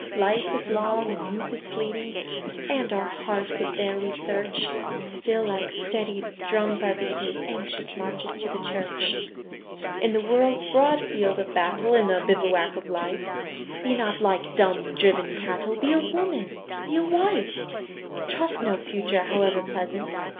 Life is long, and youth is fleeting, And our hearts, if there we search, Still like steady drums are beating Anxious marches to the Church. In the world's broad field of battle, In the bivouac of life, Be not like dumb, driven cattle; Be a woman, be a wife! Trust no Future, howe'er pleasant!